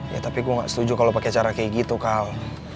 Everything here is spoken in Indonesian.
ya tapi gue gak setuju kalau pakai cara kayak gitu kak